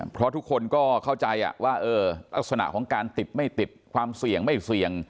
เพราะทุกคนก็เข้าใจว่าลักษณะของการติดไม่ติดความเสี่ยงไม่เสี่ยง